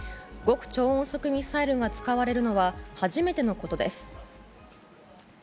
極超音速ミサイルが使われるのは初めてのことです。